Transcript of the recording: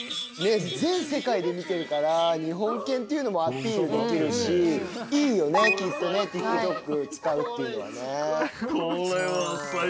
全世界で見てるから日本犬っていうのもアピールできるしいいよねきっとねＴｉｋＴｏｋ使うっていうのはね。